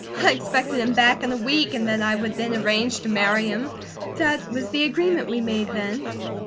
"I expected him back in a week, and that I would then arrange to marry him. That was the agreement we made then."